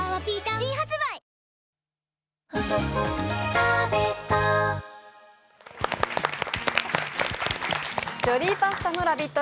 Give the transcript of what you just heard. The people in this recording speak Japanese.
新発売ジョリーパスタのラヴィット！